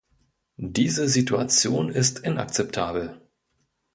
Diese Situation ist inakzeptabel.